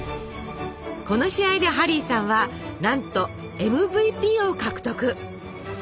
この試合でハリーさんはなんとＭＶＰを獲得！